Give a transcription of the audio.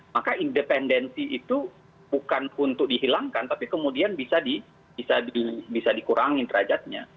maka independensi itu bukan untuk dihilangkan tapi kemudian bisa dikurangin derajatnya